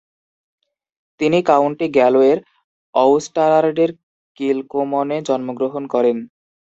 তিনি কাউন্টি গ্যালওয়ের অউস্টারার্ডের কিলকমোনে জন্মগ্রহণ করেন।